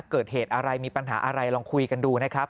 เกิดเหตุอะไรมีปัญหาอะไรลองคุยกันดูนะครับ